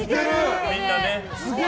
みんなね。